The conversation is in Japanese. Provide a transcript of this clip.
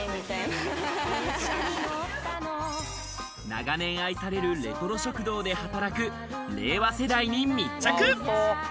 長年愛されるレトロ食堂で働く令和世代に密着！